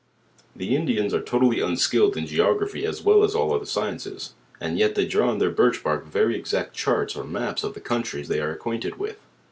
The Indians are totally unskilled In geography as well as all other sciences; and yet they draw on their birch bark very exact charts or maps of the countries they are acquain ted with.